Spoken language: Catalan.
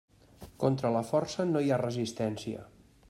Contra la força no hi ha resistència.